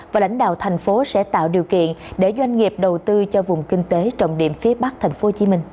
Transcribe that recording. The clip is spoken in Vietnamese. và lãnh đạo thành phố sẽ tạo điều kiện để doanh nghiệp đầu tư cho vùng kinh tế trọng điểm phía bắc tp hcm